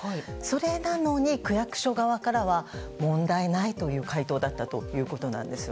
それなのに区役所側からは問題ないという回答だったということなんです。